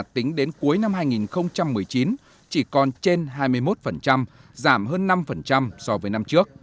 tính đến cuối năm hai nghìn một mươi chín chỉ còn trên hai mươi một giảm hơn năm so với năm trước